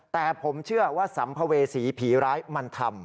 แต่ผมเชื่อว่าสัมภเวษีผีร้ายมันทำ